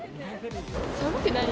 寒くない？